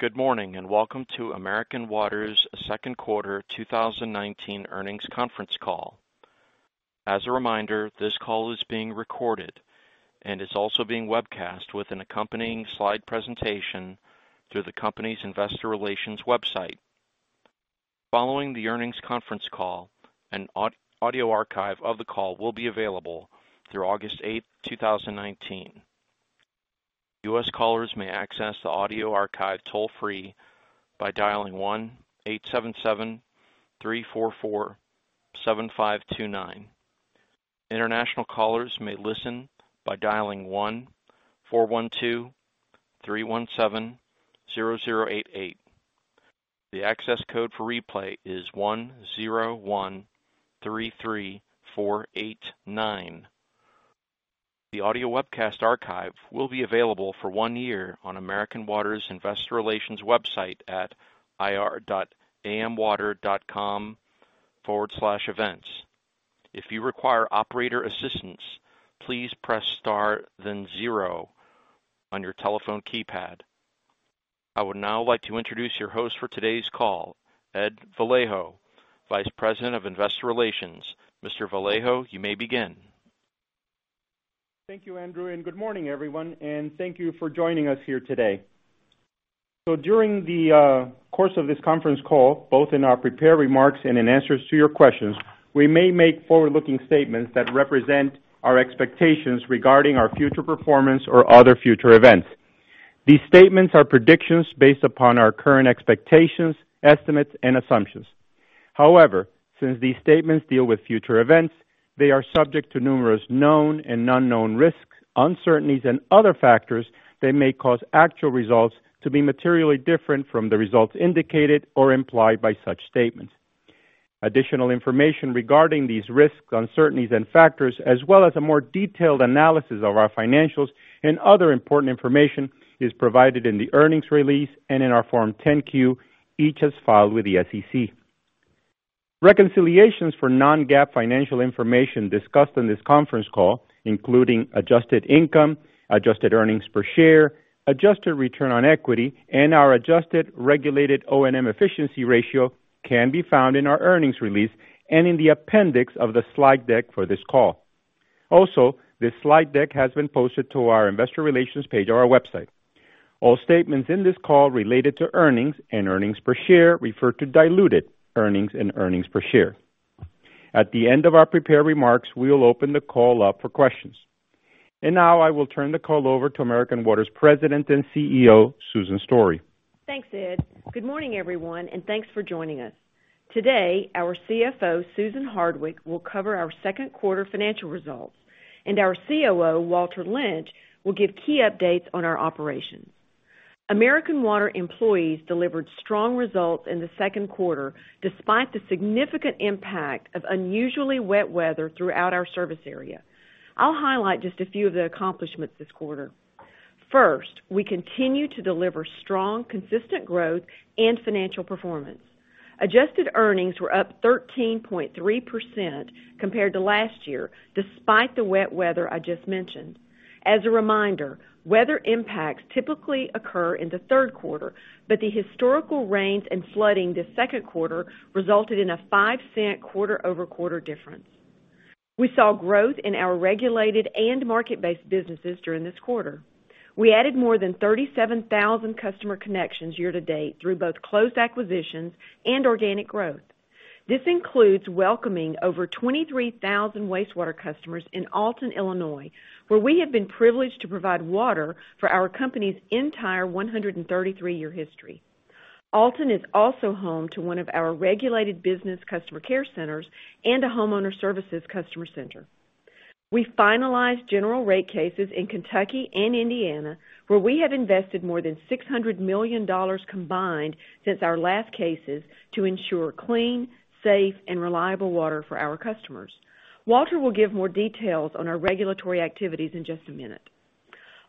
Good morning. Welcome to American Water's second quarter 2019 earnings conference call. As a reminder, this call is being recorded and is also being webcast with an accompanying slide presentation through the company's investor relations website. Following the earnings conference call, an audio archive of the call will be available through August 8, 2019. U.S. callers may access the audio archive toll-free by dialing 1-877-344-7529. International callers may listen by dialing 1-412-317-0088. The access code for replay is 10133489. The audio webcast archive will be available for one year on American Water's investor relations website at ir.amwater.com/events. If you require operator assistance, please press star then zero on your telephone keypad. I would now like to introduce your host for today's call, Edward Vallejo, Vice President of Investor Relations. Mr. Vallejo, you may begin. Thank you, Andrew, and good morning, everyone, and thank you for joining us here today. During the course of this conference call, both in our prepared remarks and in answers to your questions, we may make forward-looking statements that represent our expectations regarding our future performance or other future events. These statements are predictions based upon our current expectations, estimates, and assumptions. However, since these statements deal with future events, they are subject to numerous known and unknown risks, uncertainties, and other factors that may cause actual results to be materially different from the results indicated or implied by such statements. Additional information regarding these risks, uncertainties and factors, as well as a more detailed analysis of our financials and other important information, is provided in the earnings release and in our Form 10-Q, each as filed with the SEC. Reconciliations for non-GAAP financial information discussed on this conference call, including adjusted income, adjusted earnings per share, adjusted return on equity, and our adjusted regulated O&M efficiency ratio, can be found in our earnings release and in the appendix of the slide deck for this call. Also, this slide deck has been posted to our investor relations page on our website. All statements in this call related to earnings and earnings per share refer to diluted earnings and earnings per share. At the end of our prepared remarks, we will open the call up for questions. Now I will turn the call over to American Water's President and CEO, Susan Story. Thanks, Ed. Good morning, everyone, and thanks for joining us. Today, our CFO, Susan Hardwick, will cover our second quarter financial results, and our COO, Walter Lynch, will give key updates on our operations. American Water employees delivered strong results in the second quarter, despite the significant impact of unusually wet weather throughout our service area. I'll highlight just a few of the accomplishments this quarter. First, we continue to deliver strong, consistent growth and financial performance. Adjusted earnings were up 13.3% compared to last year, despite the wet weather I just mentioned. As a reminder, weather impacts typically occur in the third quarter, but the historical rains and flooding this second quarter resulted in a $0.05 quarter-over-quarter difference. We saw growth in our regulated and market-based businesses during this quarter. We added more than 37,000 customer connections year to date through both closed acquisitions and organic growth. This includes welcoming over 23,000 wastewater customers in Alton, Illinois, where we have been privileged to provide water for our company's entire 133-year history. Alton is also home to one of our regulated business customer care centers and a homeowner services customer center. We finalized general rate cases in Kentucky and Indiana, where we have invested more than $600 million combined since our last cases to ensure clean, safe, and reliable water for our customers. Walter will give more details on our regulatory activities in just a minute.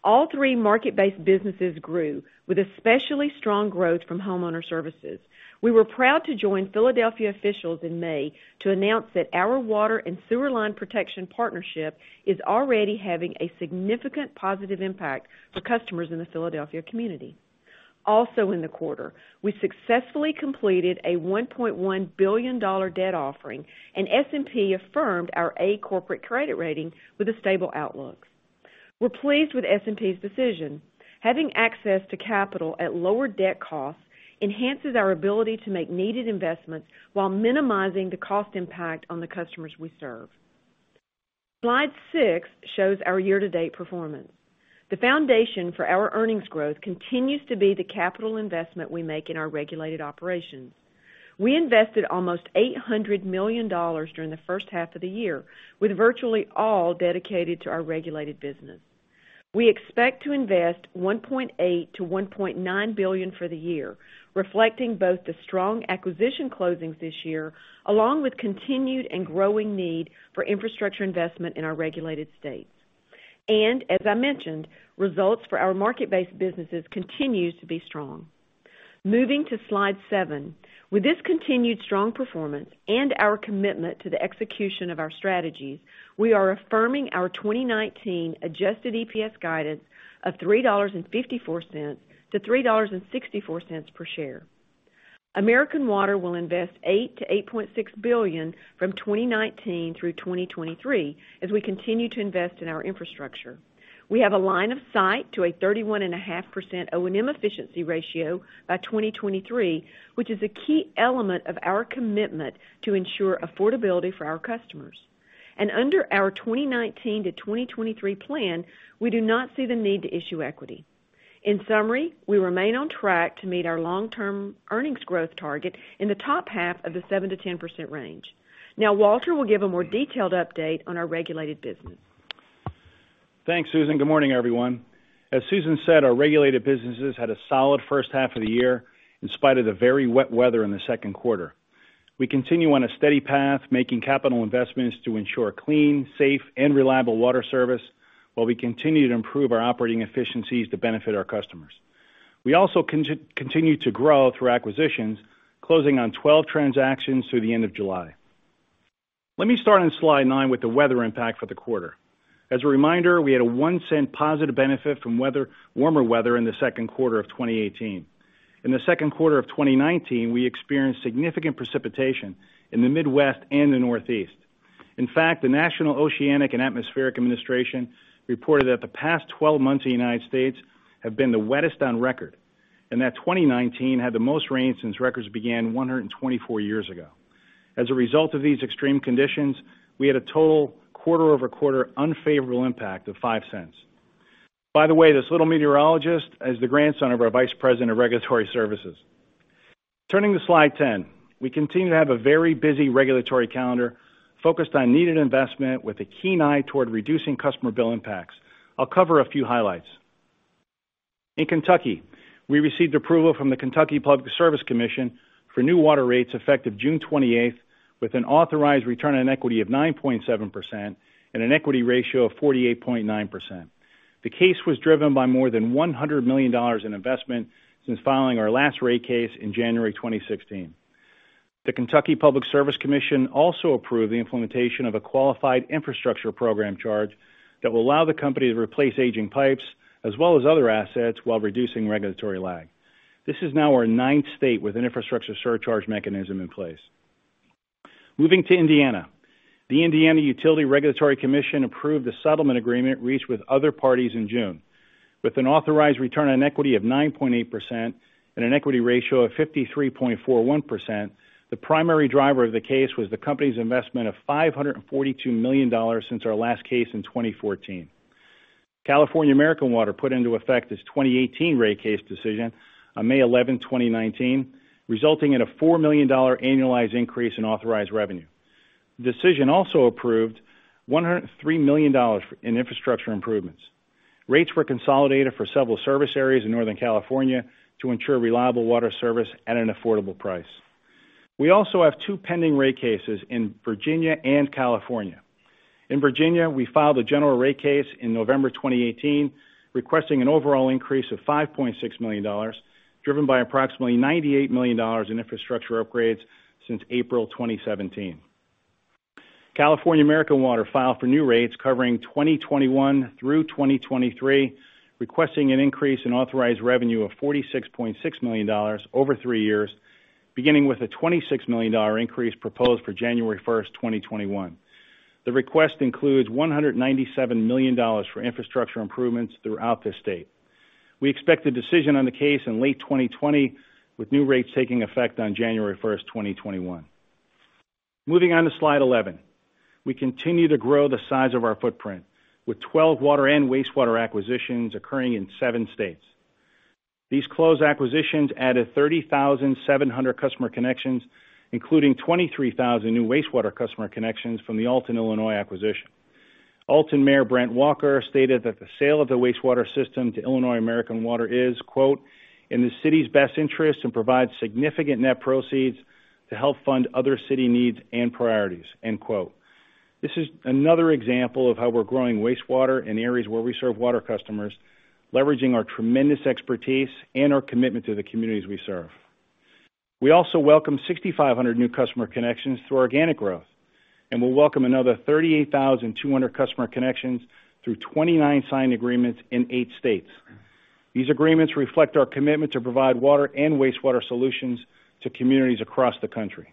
All three market-based businesses grew, with especially strong growth from homeowner services. We were proud to join Philadelphia officials in May to announce that our water and sewer line protection partnership is already having a significant positive impact for customers in the Philadelphia community. Also in the quarter, we successfully completed a $1.1 billion debt offering, and S&P affirmed our A corporate credit rating with a stable outlook. We're pleased with S&P's decision. Having access to capital at lower debt costs enhances our ability to make needed investments while minimizing the cost impact on the customers we serve. Slide six shows our year-to-date performance. The foundation for our earnings growth continues to be the capital investment we make in our regulated operations. We invested almost $800 million during the first half of the year, with virtually all dedicated to our regulated business. We expect to invest $1.8 billion-$1.9 billion for the year, reflecting both the strong acquisition closings this year, along with continued and growing need for infrastructure investment in our regulated states. As I mentioned, results for our market-based businesses continues to be strong. Moving to slide seven. With this continued strong performance and our commitment to the execution of our strategies, we are affirming our 2019 adjusted EPS guidance of $3.54-$3.64 per share. American Water will invest $8 billion-$8.6 billion from 2019 through 2023 as we continue to invest in our infrastructure. We have a line of sight to a 31.5% O&M efficiency ratio by 2023, which is a key element of our commitment to ensure affordability for our customers. Under our 2019 to 2023 plan, we do not see the need to issue equity. In summary, we remain on track to meet our long-term earnings growth target in the top half of the 7%-10% range. Now Walter will give a more detailed update on our regulated business. Thanks, Susan. Good morning, everyone. As Susan said, our regulated businesses had a solid first half of the year in spite of the very wet weather in the second quarter. We continue on a steady path, making capital investments to ensure clean, safe, and reliable water service while we continue to improve our operating efficiencies to benefit our customers. We also continue to grow through acquisitions, closing on 12 transactions through the end of July. Let me start on slide nine with the weather impact for the quarter. As a reminder, we had a $0.01 positive benefit from warmer weather in the second quarter of 2018. In the second quarter of 2019, we experienced significant precipitation in the Midwest and the Northeast. The National Oceanic and Atmospheric Administration reported that the past 12 months in the United States have been the wettest on record, and that 2019 had the most rain since records began 124 years ago. As a result of these extreme conditions, we had a total quarter-over-quarter unfavorable impact of $0.05. By the way, this little meteorologist is the grandson of our vice president of regulatory services. Turning to slide 10. We continue to have a very busy regulatory calendar focused on needed investment with a keen eye toward reducing customer bill impacts. I'll cover a few highlights. In Kentucky, we received approval from the Kentucky Public Service Commission for new water rates effective June 28th with an authorized return on equity of 9.7% and an equity ratio of 48.9%. The case was driven by more than $100 million in investment since filing our last rate case in January 2016. The Kentucky Public Service Commission also approved the implementation of a Qualified Infrastructure Program charge that will allow the company to replace aging pipes as well as other assets while reducing regulatory lag. This is now our ninth state with an infrastructure surcharge mechanism in place. Moving to Indiana. The Indiana Utility Regulatory Commission approved the settlement agreement reached with other parties in June with an authorized return on equity of 9.8% and an equity ratio of 53.41%. The primary driver of the case was the company's investment of $542 million since our last case in 2014. California American Water put into effect its 2018 rate case decision on May 11, 2019, resulting in a $4 million annualized increase in authorized revenue. The decision also approved $103 million in infrastructure improvements. Rates were consolidated for several service areas in Northern California to ensure reliable water service at an affordable price. We also have two pending rate cases in Virginia and California. In Virginia, we filed a general rate case in November 2018, requesting an overall increase of $5.6 million, driven by approximately $98 million in infrastructure upgrades since April 2017. California American Water filed for new rates covering 2021 through 2023, requesting an increase in authorized revenue of $46.6 million over three years, beginning with a $26 million increase proposed for January 1st, 2021. The request includes $197 million for infrastructure improvements throughout the state. We expect a decision on the case in late 2020, with new rates taking effect on January 1st, 2021. Moving on to slide 11. We continue to grow the size of our footprint with 12 water and wastewater acquisitions occurring in seven states. These closed acquisitions added 30,700 customer connections, including 23,000 new wastewater customer connections from the Alton, Illinois acquisition. Alton Mayor Brant Walker stated that the sale of the wastewater system to Illinois American Water is, "In the city's best interest and provides significant net proceeds to help fund other city needs and priorities." This is another example of how we're growing wastewater in areas where we serve water customers, leveraging our tremendous expertise and our commitment to the communities we serve. We also welcome 6,500 new customer connections through organic growth and will welcome another 38,200 customer connections through 29 signed agreements in eight states. These agreements reflect our commitment to provide water and wastewater solutions to communities across the country.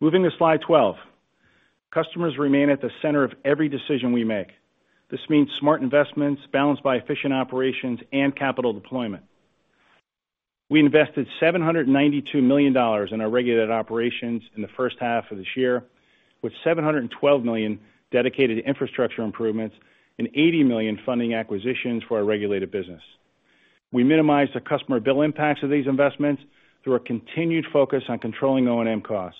Moving to slide 12. Customers remain at the center of every decision we make. This means smart investments balanced by efficient operations and capital deployment. We invested $792 million in our regulated operations in the first half of this year, with $712 million dedicated to infrastructure improvements and $80 million funding acquisitions for our regulated business. We minimized the customer bill impacts of these investments through our continued focus on controlling O&M costs.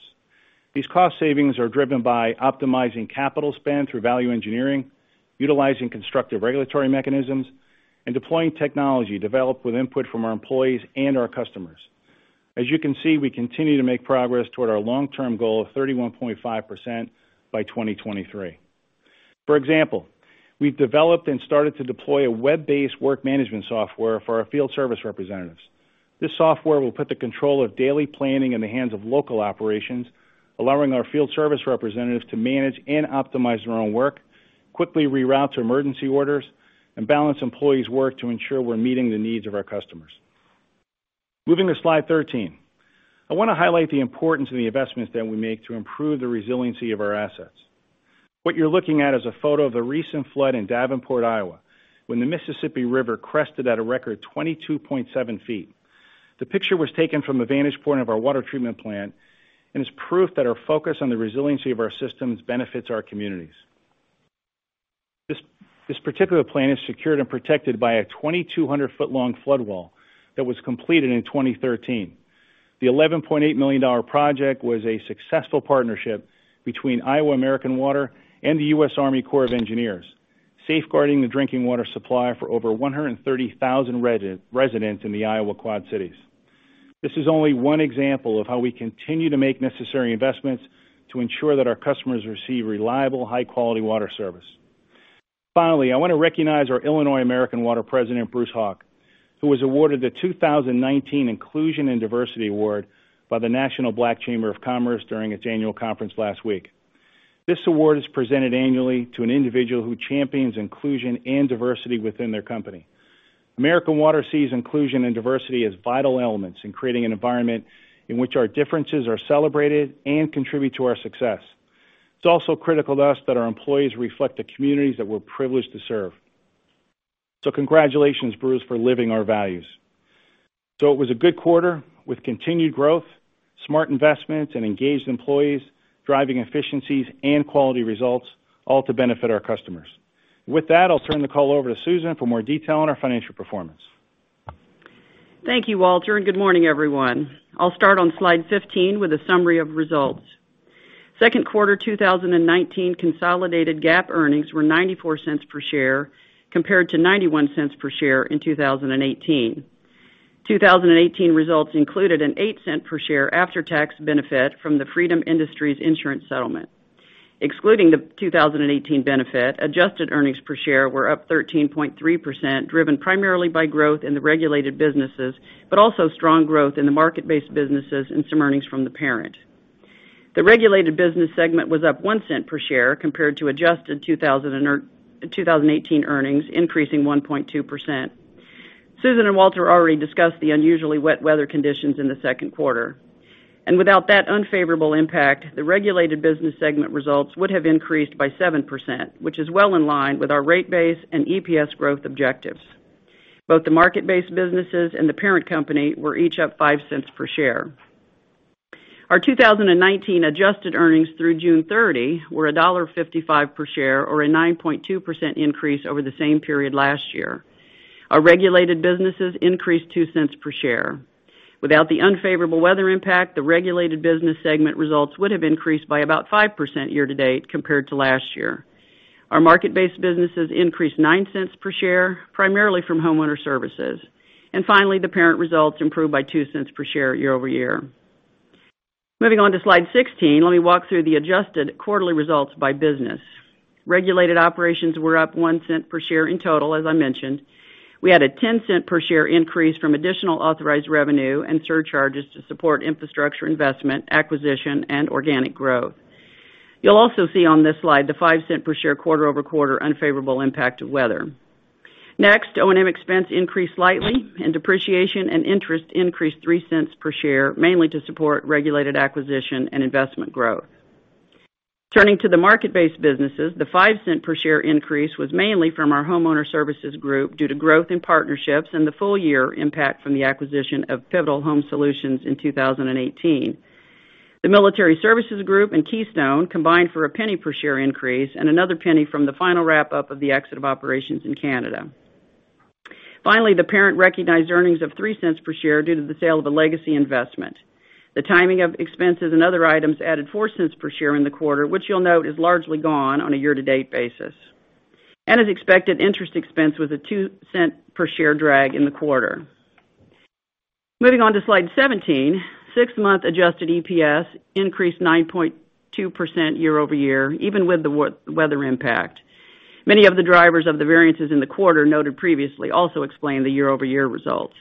These cost savings are driven by optimizing capital spend through value engineering, utilizing constructive regulatory mechanisms, and deploying technology developed with input from our employees and our customers. As you can see, we continue to make progress toward our long-term goal of 31.5% by 2023. For example, we've developed and started to deploy a web-based work management software for our field service representatives. This software will put the control of daily planning in the hands of local operations, allowing our field service representatives to manage and optimize their own work, quickly reroute to emergency orders, and balance employees' work to ensure we're meeting the needs of our customers. Moving to slide 13. I want to highlight the importance of the investments that we make to improve the resiliency of our assets. What you're looking at is a photo of the recent flood in Davenport, Iowa, when the Mississippi River crested at a record 22.7 feet. The picture was taken from a vantage point of our water treatment plant and is proof that our focus on the resiliency of our systems benefits our communities. This particular plant is secured and protected by a 2,200-foot-long flood wall that was completed in 2013. The $11.8 million project was a successful partnership between Iowa American Water and the U.S. Army Corps of Engineers, safeguarding the drinking water supply for over 130,000 residents in the Iowa Quad Cities. This is only one example of how we continue to make necessary investments to ensure that our customers receive reliable, high-quality water service. Finally, I want to recognize our Illinois American Water President, Bruce Hauk, who was awarded the 2019 Inclusion and Diversity Award by the National Black Chamber of Commerce during its annual conference last week. This award is presented annually to an individual who champions inclusion and diversity within their company. American Water sees inclusion and diversity as vital elements in creating an environment in which our differences are celebrated and contribute to our success. It's also critical to us that our employees reflect the communities that we're privileged to serve. Congratulations, Bruce, for living our values. It was a good quarter with continued growth, smart investments, and engaged employees driving efficiencies and quality results, all to benefit our customers. With that, I'll turn the call over to Susan for more detail on our financial performance. Thank you, Walter, and good morning, everyone. I'll start on slide 15 with a summary of results. Second Quarter 2019 consolidated GAAP earnings were $0.94 per share compared to $0.91 per share in 2018. 2018 results included an $0.08 per share after-tax benefit from the Freedom Industries insurance settlement. Excluding the 2018 benefit, adjusted earnings per share were up 13.3%, driven primarily by growth in the regulated businesses, but also strong growth in the market-based businesses and some earnings from the parent. The regulated business segment was up $0.01 per share compared to adjusted 2018 earnings, increasing 1.2%. Susan and Walter already discussed the unusually wet weather conditions in the Second Quarter. Without that unfavorable impact, the regulated business segment results would have increased by 7%, which is well in line with our rate base and EPS growth objectives. Both the market-based businesses and the parent company were each up $0.05 per share. Our 2019 adjusted earnings through June 30 were $1.55 per share, or a 9.2% increase over the same period last year. Our regulated businesses increased $0.02 per share. Without the unfavorable weather impact, the regulated business segment results would have increased by about 5% year-to-date compared to last year. Our market-based businesses increased $0.09 per share, primarily from homeowner services. The parent results improved by $0.02 per share year-over-year. Let me walk through the adjusted quarterly results by business. Regulated operations were up $0.01 per share in total, as I mentioned. We had a $0.10 per share increase from additional authorized revenue and surcharges to support infrastructure investment, acquisition, and organic growth. You'll also see on this slide the $0.05 per share quarter-over-quarter unfavorable impact of weather. Next, O&M expense increased slightly, and depreciation and interest increased $0.03 per share, mainly to support regulated acquisition and investment growth. Turning to the market-based businesses, the $0.05 per share increase was mainly from our Homeowner Services Group due to growth in partnerships and the full year impact from the acquisition of Pivotal Home Solutions in 2018. The Military Services Group and Keystone combined for a $0.01 per share increase and another $0.01 from the final wrap-up of the exit of operations in Canada. Finally, the parent recognized earnings of $0.03 per share due to the sale of a legacy investment. The timing of expenses and other items added $0.04 per share in the quarter, which you'll note is largely gone on a year-to-date basis. As expected, interest expense was a $0.02 per share drag in the quarter. Moving on to slide 17, six-month adjusted EPS increased 9.2% year-over-year, even with the weather impact. Many of the drivers of the variances in the quarter noted previously also explain the year-over-year results.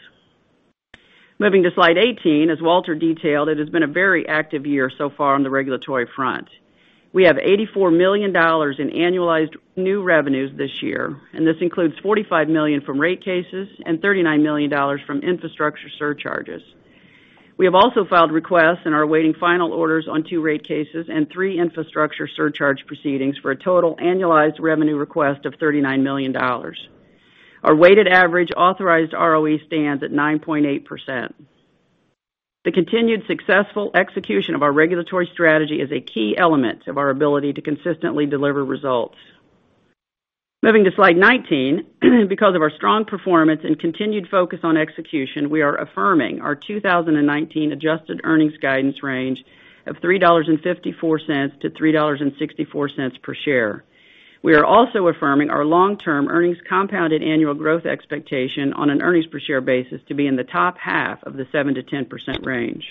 Moving to slide 18, as Walter detailed, it has been a very active year so far on the regulatory front. We have $84 million in annualized new revenues this year, and this includes $45 million from rate cases and $39 million from infrastructure surcharges. We have also filed requests and are awaiting final orders on two rate cases and three infrastructure surcharge proceedings for a total annualized revenue request of $39 million. Our weighted average authorized ROE stands at 9.8%. The continued successful execution of our regulatory strategy is a key element of our ability to consistently deliver results. Moving to slide 19, because of our strong performance and continued focus on execution, we are affirming our 2019 adjusted earnings guidance range of $3.54-$3.64 per share. We are also affirming our long-term earnings compounded annual growth expectation on an earnings per share basis to be in the top half of the 7%-10% range.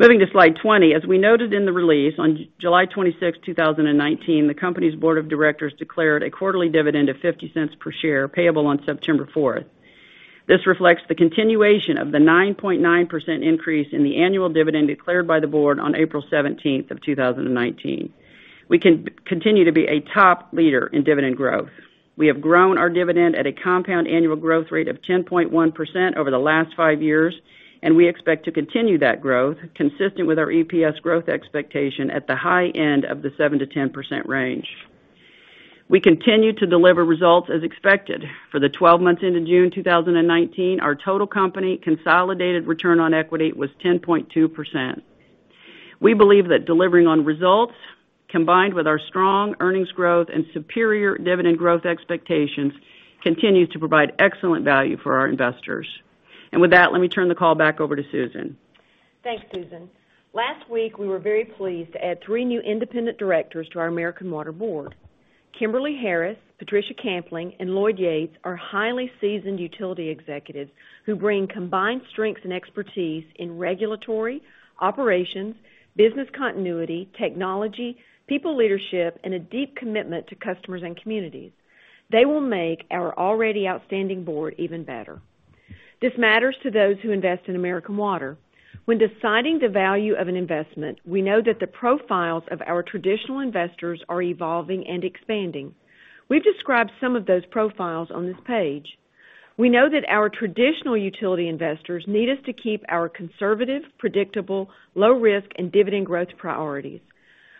Moving to slide 20, as we noted in the release on July 26th, 2019, the company's board of directors declared a quarterly dividend of $0.50 per share payable on September 4th. This reflects the continuation of the 9.9% increase in the annual dividend declared by the board on April 17th of 2019. We continue to be a top leader in dividend growth. We have grown our dividend at a compound annual growth rate of 10.1% over the last five years, and we expect to continue that growth consistent with our EPS growth expectation at the high end of the 7%-10% range. We continue to deliver results as expected. For the 12 months into June 2019, our total company consolidated return on equity was 10.2%. We believe that delivering on results, combined with our strong earnings growth and superior dividend growth expectations, continues to provide excellent value for our investors. With that, let me turn the call back over to Susan. Thanks, Susan. Last week, we were very pleased to add three new independent directors to our American Water board. Kimberly Harris, Patricia Kampling, and Lloyd Yates are highly seasoned utility executives who bring combined strengths and expertise in regulatory, operations, business continuity, technology, people leadership, and a deep commitment to customers and communities. They will make our already outstanding board even better. This matters to those who invest in American Water. When deciding the value of an investment, we know that the profiles of our traditional investors are evolving and expanding. We've described some of those profiles on this page. We know that our traditional utility investors need us to keep our conservative, predictable, low risk, and dividend growth priorities.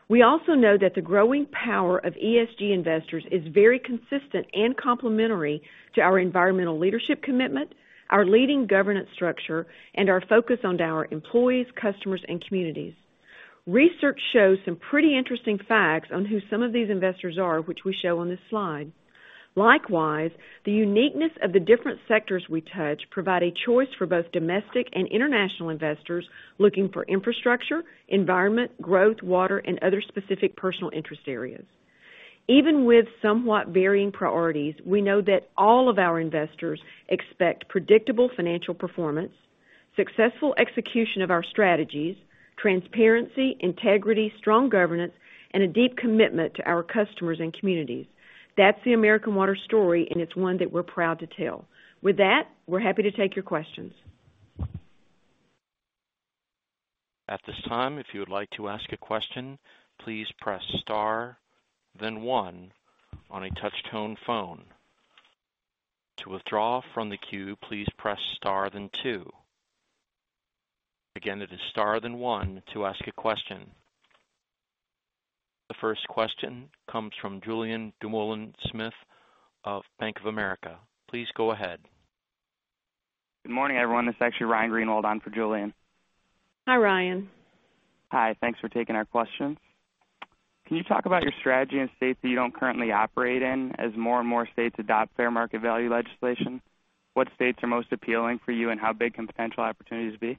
We also know that the growing power of ESG investors is very consistent and complementary to our environmental leadership commitment, our leading governance structure, and our focus on our employees, customers, and communities. Research shows some pretty interesting facts on who some of these investors are, which we show on this slide. Likewise, the uniqueness of the different sectors we touch provide a choice for both domestic and international investors looking for infrastructure, environment, growth, water, and other specific personal interest areas. Even with somewhat varying priorities, we know that all of our investors expect predictable financial performance, successful execution of our strategies, transparency, integrity, strong governance, and a deep commitment to our customers and communities. That's the American Water story, and it's one that we're proud to tell. With that, we're happy to take your questions. At this time, if you would like to ask a question, please press star then one on a touch-tone phone. To withdraw from the queue, please press star then two. Again, it is star then one to ask a question. The first question comes from Julien Dumoulin-Smith of Bank of America. Please go ahead. Good morning, everyone. This is actually Ryan Greenwald on for Julien. Hi, Ryan. Hi. Thanks for taking our questions. Can you talk about your strategy in states that you don't currently operate in as more and more states adopt fair market value legislation? What states are most appealing for you, and how big can potential opportunities be?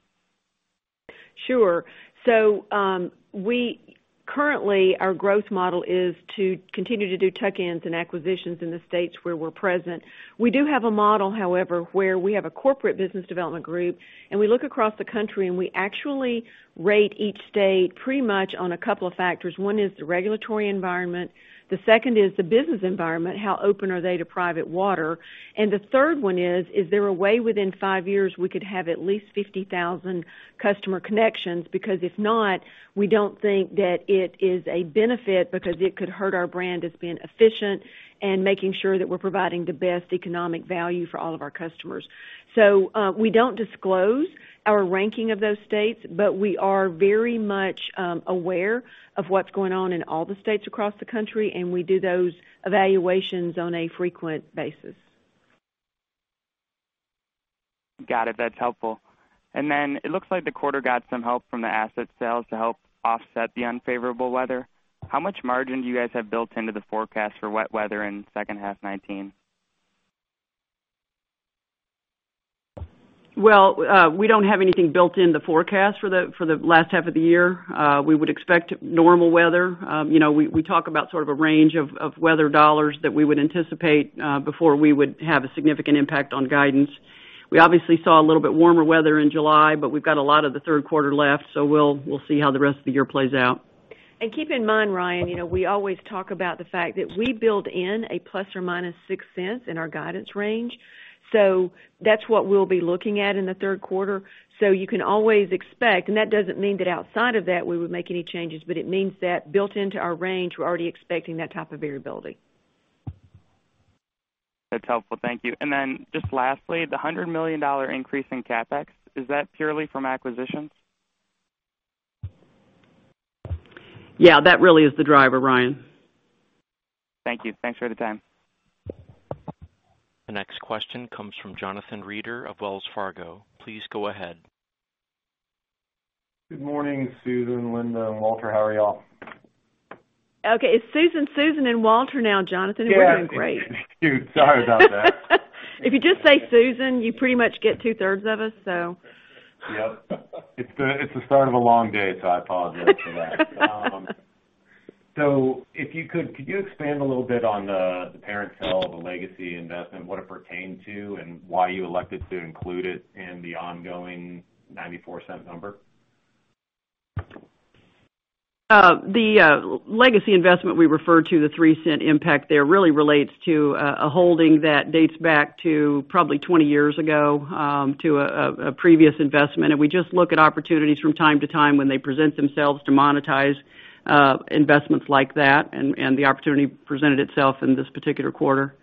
Currently, our growth model is to continue to do tuck-ins and acquisitions in the states where we're present. We do have a model, however, where we have a corporate business development group, and we look across the country and we actually rate each state pretty much on a couple of factors. One is the regulatory environment. The second is the business environment, how open are they to private water? The third one is there a way within five years we could have at least 50,000 customer connections? Because if not, we don't think that it is a benefit because it could hurt our brand as being efficient and making sure that we're providing the best economic value for all of our customers. We don't disclose our ranking of those states, but we are very much aware of what's going on in all the states across the country, and we do those evaluations on a frequent basis. Got it. That's helpful. It looks like the quarter got some help from the asset sales to help offset the unfavorable weather. How much margin do you guys have built into the forecast for wet weather in second half 2019? Well, we don't have anything built in the forecast for the last half of the year. We would expect normal weather. We talk about sort of a range of weather dollars that we would anticipate before we would have a significant impact on guidance. We obviously saw a little bit warmer weather in July, but we've got a lot of the third quarter left, so we'll see how the rest of the year plays out. Keep in mind, Ryan, we always talk about the fact that we build in a ±$0.06 in our guidance range. That's what we'll be looking at in the third quarter. You can always expect, and that doesn't mean that outside of that we would make any changes, but it means that built into our range, we're already expecting that type of variability. That's helpful. Thank you. Just lastly, the $100 million increase in CapEx, is that purely from acquisitions? Yeah, that really is the driver, Ryan. Thank you. Thanks for the time. The next question comes from Jonathan Reeder of Wells Fargo. Please go ahead. Good morning, Susan, Linda, Walter. How are y'all? It's Susan and Walter now, Jonathan. We're doing great. Yeah. Sorry about that. If you just say Susan, you pretty much get two-thirds of us. Yep. It's the start of a long day. I apologize for that. Could you expand a little bit on the parent sale of the legacy investment, what it pertained to, and why you elected to include it in the ongoing $0.94 number? The legacy investment we refer to, the $0.03 impact there, really relates to a holding that dates back to probably 20 years ago to a previous investment. We just look at opportunities from time to time when they present themselves to monetize investments like that, and the opportunity presented itself in this particular quarter.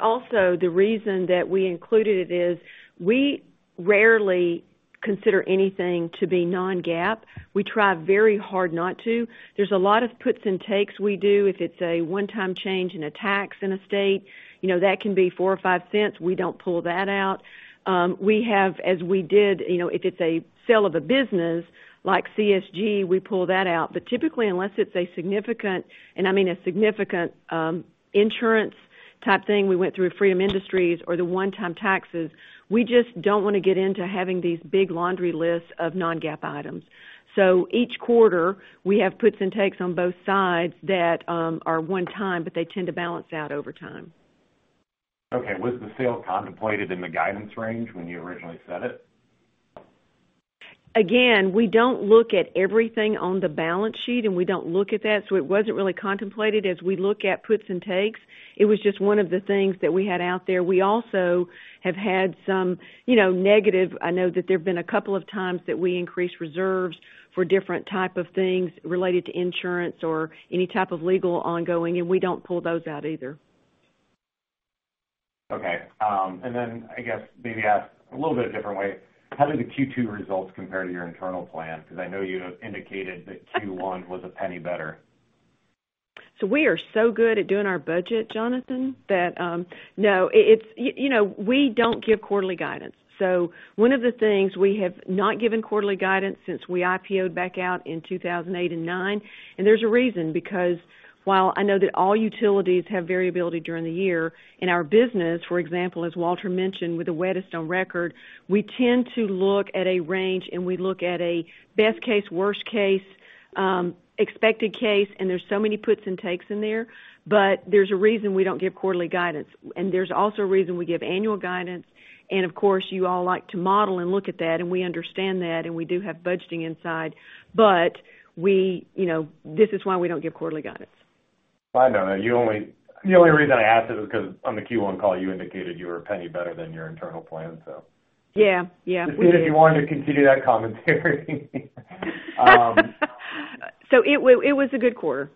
Also, the reason that we included it is we rarely consider anything to be non-GAAP. We try very hard not to. There's a lot of puts and takes we do. If it's a one-time change in a tax in a state, that can be $0.04 or $0.05. We don't pull that out. If it's a sale of a business, like CSG, we pull that out. Typically, unless it's a significant insurance type thing, we went through Freedom Industries or the one-time taxes, we just don't want to get into having these big laundry lists of non-GAAP items. Each quarter, we have puts and takes on both sides that are one time, but they tend to balance out over time. Okay. Was the sale contemplated in the guidance range when you originally said it? Again, we don't look at everything on the balance sheet, and we don't look at that, so it wasn't really contemplated as we look at puts and takes. It was just one of the things that we had out there. We also have had some negative. I know that there have been a couple of times that we increased reserves for different type of things related to insurance or any type of legal ongoing, and we don't pull those out either. Okay. I guess maybe ask a little bit of different way, how did the Q2 results compare to your internal plan? I know you indicated that Q1 was $0.01 better. We are so good at doing our budget, Jonathan. We don't give quarterly guidance. One of the things, we have not given quarterly guidance since we IPO'd back out in 2008 and 2009. There's a reason, because while I know that all utilities have variability during the year, in our business, for example, as Walter mentioned, with the wettest on record, we tend to look at a range and we look at a best case, worst case, expected case, and there's so many puts and takes in there. There's a reason we don't give quarterly guidance. There's also a reason we give annual guidance. Of course, you all like to model and look at that, and we understand that, and we do have budgeting inside. This is why we don't give quarterly guidance. I know. The only reason I asked it was because on the Q1 call, you indicated you were $0.01 better than your internal plan. Yeah. Just seeing if you wanted to continue that commentary. It was a good quarter.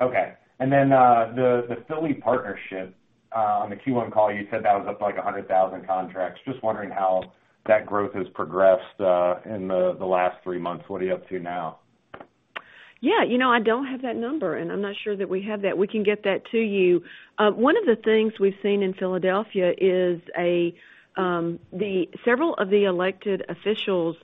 Okay. The Philly partnership. On the Q1 call, you said that was up like 100,000 contracts. Just wondering how that growth has progressed in the last three months. What are you up to now? Yeah. I don't have that number, and I'm not sure that we have that. We can get that to you. One of the things we've seen in Philadelphia is several of the elected officials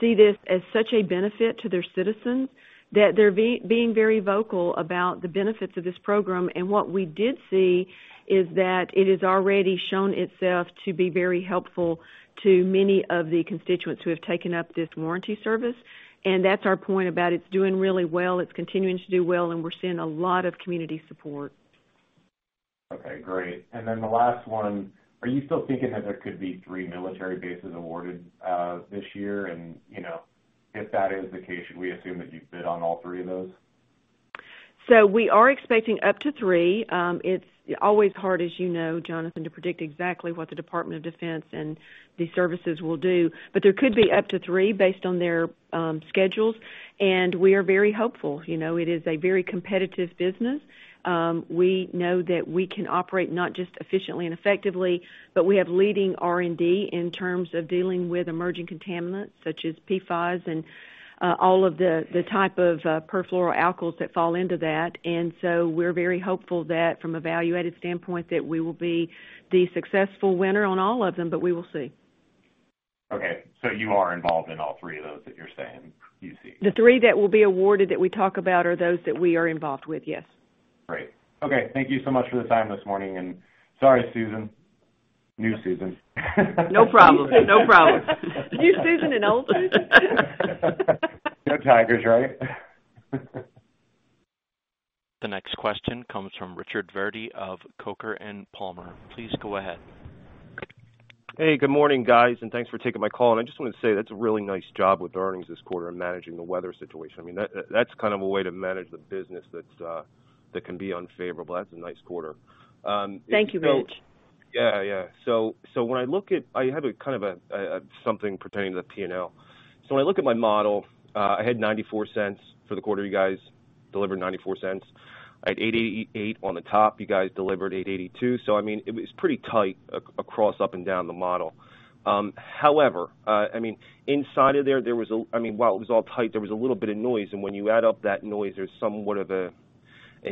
see this as such a benefit to their citizens that they're being very vocal about the benefits of this program. What we did see is that it has already shown itself to be very helpful to many of the constituents who have taken up this warranty service. That's our point about it's doing really well. It's continuing to do well, and we're seeing a lot of community support. Okay, great. The last one, are you still thinking that there could be three military bases awarded this year? If that is the case, should we assume that you'd bid on all three of those? We are expecting up to three. It's always hard, as you know, Jonathan, to predict exactly what the Department of Defense and the services will do. There could be up to three based on their schedules, and we are very hopeful. It is a very competitive business. We know that we can operate not just efficiently and effectively, but we have leading R&D in terms of dealing with emerging contaminants such as PFOS and all of the type of perfluoroalkyls that fall into that. We're very hopeful that from evaluative standpoint, that we will be the successful winner on all of them, but we will see. Okay. You are involved in all three of those that you're saying you see? The three that will be awarded that we talk about are those that we are involved with, yes. Great. Okay. Thank you so much for the time this morning. Sorry, Susan. New Susan. No problem. New Susan and old Susan. Go Tigers, right? The next question comes from Richard Verdi of Coker & Palmer. Please go ahead. Hey, good morning, guys, and thanks for taking my call. I just wanted to say, that's a really nice job with earnings this quarter and managing the weather situation. That's a way to manage the business that can be unfavorable. That's a nice quarter. Thank you, Rich. Yeah. I have something pertaining to the P&L. When I look at my model, I had $0.94 for the quarter. You guys delivered $0.94. I had $888 on the top. You guys delivered $882. It's pretty tight across up and down the model. However, while it was all tight, there was a little bit of noise. When you add up that noise, there's somewhat of an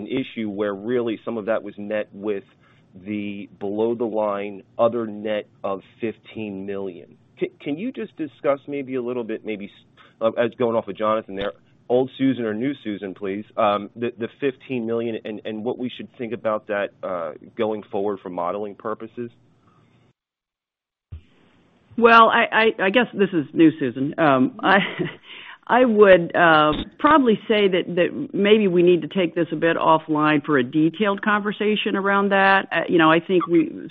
issue where really some of that was met with the below the line other net of $15 million. Can you just discuss maybe a little bit, maybe as going off of Jonathan there, old Susan or new Susan, please, the $15 million and what we should think about that going forward for modeling purposes? Well, I guess this is new Susan. I would probably say that maybe we need to take this a bit offline for a detailed conversation around that. I think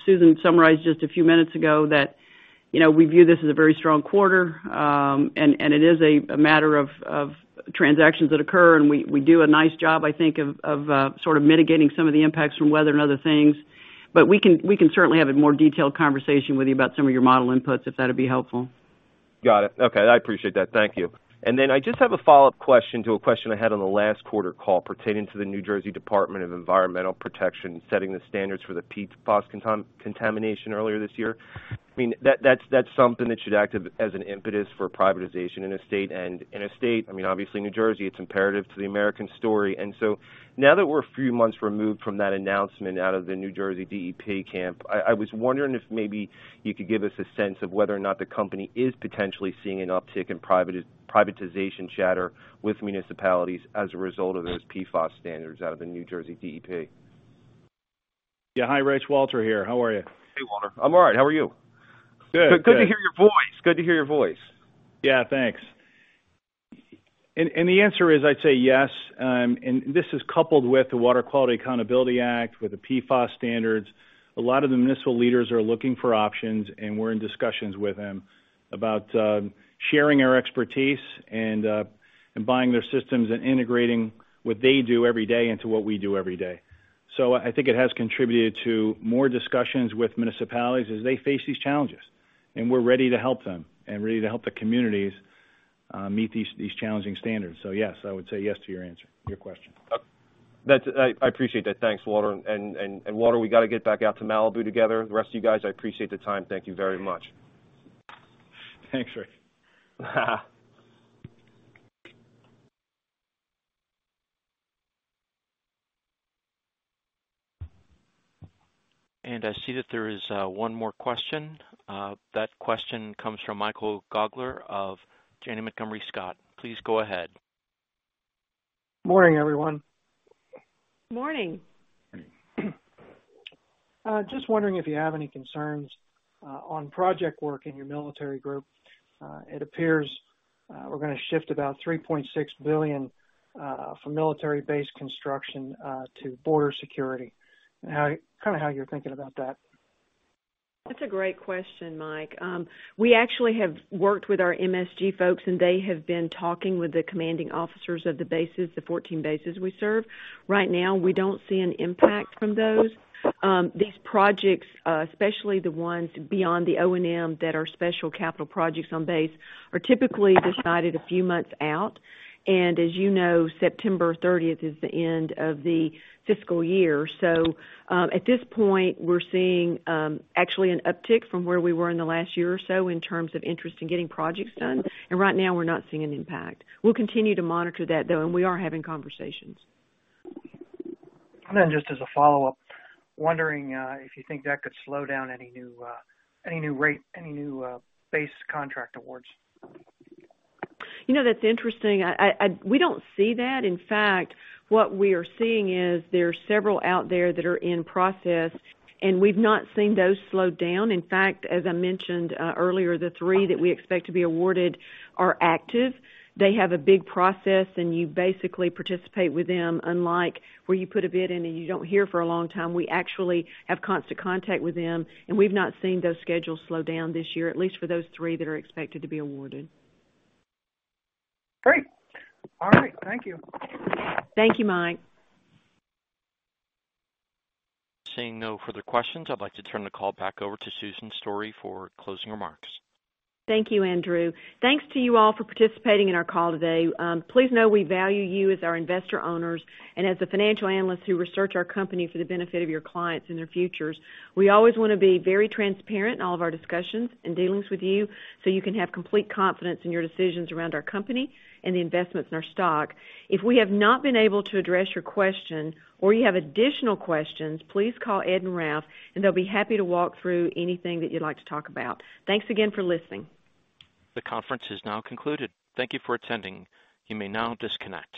Susan summarized just a few minutes ago that we view this as a very strong quarter, and it is a matter of transactions that occur, and we do a nice job, I think, of mitigating some of the impacts from weather and other things. We can certainly have a more detailed conversation with you about some of your model inputs, if that'd be helpful. Got it. Okay. I appreciate that. Thank you. Then I just have a follow-up question to a question I had on the last quarter call pertaining to the New Jersey Department of Environmental Protection, setting the standards for the PFAS contamination earlier this year. That's something that should act as an impetus for privatization in a state. In a state, obviously New Jersey, it's imperative to the American story. Now that we're a few months removed from that announcement out of the New Jersey DEP camp, I was wondering if maybe you could give us a sense of whether or not the company is potentially seeing an uptick in privatization chatter with municipalities as a result of those PFAS standards out of the New Jersey DEP. Yeah. Hi, Rich. Walter here. How are you? Hey, Walter. I'm all right, how are you? Good. Good to hear your voice. Yeah, thanks. The answer is, I'd say yes, and this is coupled with the Water Quality Accountability Act, with the PFAS standards. A lot of the municipal leaders are looking for options, and we're in discussions with them about sharing our expertise and buying their systems and integrating what they do every day into what we do every day. I think it has contributed to more discussions with municipalities as they face these challenges, and we're ready to help them and ready to help the communities meet these challenging standards. Yes, I would say yes to your question. I appreciate that. Thanks, Walter. Walter, we got to get back out to Malibu together. The rest of you guys, I appreciate the time. Thank you very much. Thanks, Rick. I see that there is one more question. That question comes from Michael Gaugler of Janney Montgomery Scott. Please go ahead. Morning, everyone. Morning. Just wondering if you have any concerns on project work in your military group. It appears we're going to shift about $3.6 billion from military base construction to border security, and kind of how you're thinking about that? That's a great question, Mike. We actually have worked with our MSG folks. They have been talking with the commanding officers of the bases, the 14 bases we serve. Right now, we don't see an impact from those. These projects, especially the ones beyond the O&M that are special capital projects on base, are typically decided a few months out. As you know, September 30th is the end of the fiscal year. At this point, we're seeing actually an uptick from where we were in the last year or so in terms of interest in getting projects done. Right now, we're not seeing an impact. We'll continue to monitor that, though, and we are having conversations. Just as a follow-up, wondering if you think that could slow down any new base contract awards? That's interesting. We don't see that. In fact, what we are seeing is there's several out there that are in process, and we've not seen those slow down. In fact, as I mentioned earlier, the three that we expect to be awarded are active. They have a big process, and you basically participate with them. Unlike where you put a bid in and you don't hear for a long time, we actually have constant contact with them, and we've not seen those schedules slow down this year, at least for those three that are expected to be awarded. Great. All right. Thank you. Thank you, Mike. Seeing no further questions, I'd like to turn the call back over to Susan Story for closing remarks. Thank you, Andrew. Thanks to you all for participating in our call today. Please know we value you as our investor-owners and as the financial analysts who research our company for the benefit of your clients and their futures. We always want to be very transparent in all of our discussions and dealings with you, so you can have complete confidence in your decisions around our company and the investments in our stock. If we have not been able to address your question or you have additional questions, please call Ed and Ralph, and they'll be happy to walk through anything that you'd like to talk about. Thanks again for listening. The conference is now concluded. Thank you for attending. You may now disconnect.